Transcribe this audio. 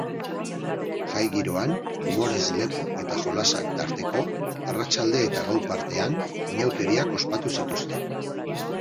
Jai giroan, umorez lepo eta jolasak tarteko, arratsalde eta gau partean, inauteriak ospatu zituzten.